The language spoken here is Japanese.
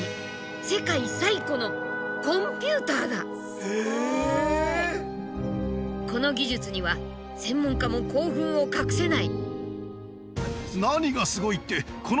まさにこの技術には専門家も興奮を隠せない。